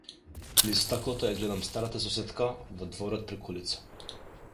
Низ стаклото ја гледам старата сосетка во дворот преку улица.